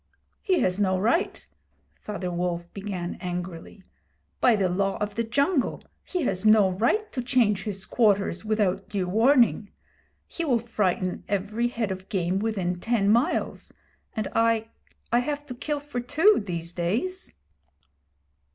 'He has no right!' Father Wolf began angrily 'By the Law of the Jungle he has no right to change his quarters without due warning. He will frighten every head of game within ten miles, and I I have to kill for two, these days.'